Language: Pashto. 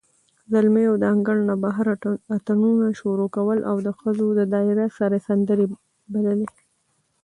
زلمیو د انګړ نه بهر اتڼونه کول، او ښځو د دایرو سره سندرې بللې.